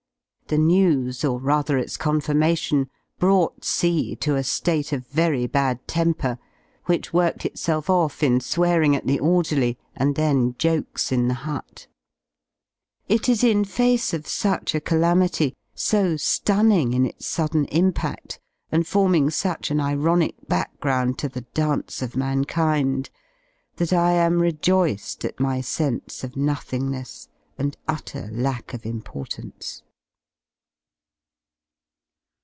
The news, or rather its confirmation, brought C to a ^te of very bad temper, which worked itself off in swearing at the orderly, and then jokes in the hut. ■■ It is in face of such a calamity, so Running in its sudden ) impadl, and forming such an ironic background to the ) dance of mankind, that JLaS L rejoiced , at my sense of ^nothingness and utter lack of importance.